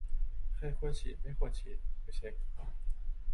ใครควรฉีดไม่ควรฉีด ไปเช็ก